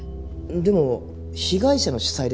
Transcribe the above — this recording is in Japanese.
でも被害者の主催でしょ？